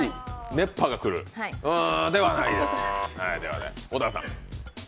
熱波が来る？ではないです。